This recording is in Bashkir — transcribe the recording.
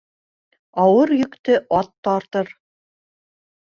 Ауыр йөктө ат тартыр.